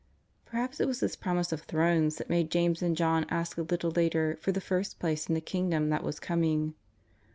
Perhaps it was this promise of thrones that made James and John ask a little later for the first place in the Kingdom that was coming.